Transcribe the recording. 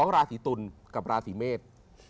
ราศีตุลกับราศีเมษ